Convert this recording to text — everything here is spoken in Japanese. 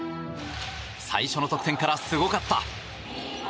最初の得点からすごかった。